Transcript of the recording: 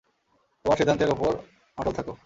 তোমার সিদ্ধান্তের উপর অটল থাক।